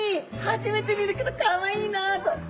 初めて見るけどかわいいな」と。